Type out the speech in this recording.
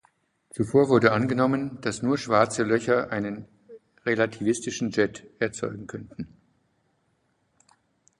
Zuvor wurde angenommen, dass nur Schwarze Löcher einen relativistischen Jet erzeugen könnten.